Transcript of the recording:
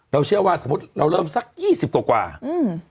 เราเชื่อว่าสมมุติเราร่วมสัก๒๐กว่าป่ะ